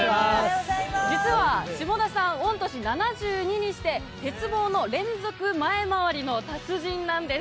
実は下田さん、御年７２にして、鉄棒の連続前回りの達人なんです。